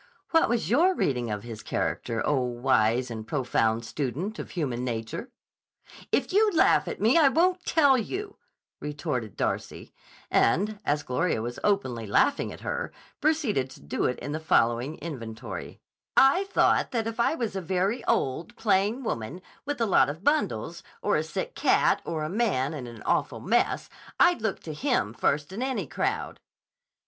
"What was your reading of his character, oh, wise and profound student of human nature?" "If you laugh at me I won't tell you," retorted Darcy, and, as Gloria was openly laughing at her, proceeded to do it in the following inventory: "I thought that if I was a very old, plain woman with a lot of bundles, or a sick cat, or a man in an awful mess, I'd look to him first in any crowd."